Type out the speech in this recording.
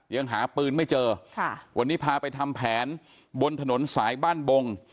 ยังหาปืนไม่เจอค่ะวันนี้พาไปทำแผนบนถนนสายบ้านบง